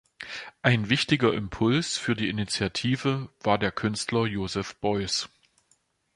Ein wichtiger Impuls für die Initiative war der Künstler Joseph Beuys.